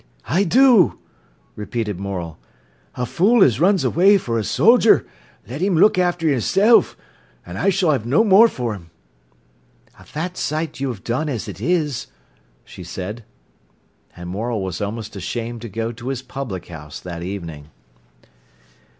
"I do," repeated Morel. "A fool as runs away for a soldier, let 'im look after 'issen; I s'll do no more for 'im." "A fat sight you have done as it is," she said. And Morel was almost ashamed to go to his public house that evening.